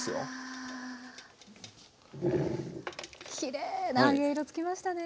きれいな揚げ色つきましたね。